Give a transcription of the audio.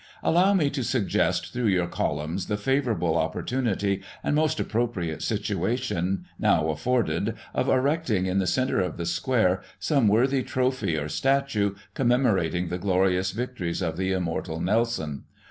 " Allow me to suggest through your columns the favourable opportunity and most appropriate situation, now afforded, of erecting in the centre of the Square some worthy trophy, or statue, commemorating the glorious victories of the immortal Nelson.